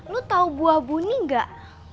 lu tau buah buni gak